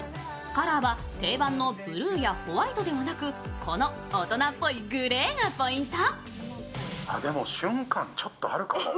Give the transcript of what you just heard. カラーは定番のブルーやホワイトではなくこの大人っぽいグレーがポイント。